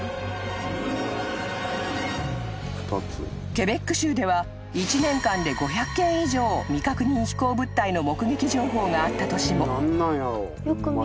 ［ケベック州では１年間で５００件以上未確認飛行物体の目撃情報があった年も］